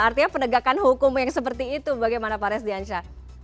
artinya penegakan hukum yang seperti itu bagaimana pak resdiansyah